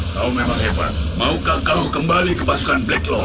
kau memang hebat maukah kau kembali ke pasukan black law